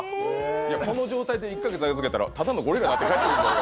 この状態で１か月預けたらただのゴリラになってしまう。